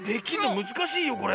むずかしいよこれ。